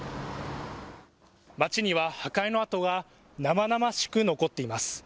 町には破壊の跡が生々しく残っています。